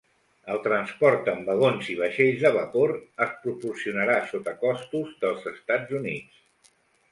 El transport en vagons i vaixells de vapor es proporcionarà sota costos dels Estats Units.